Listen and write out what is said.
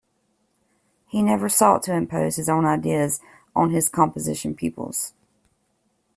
He never sought to impose his own ideas on his composition pupils.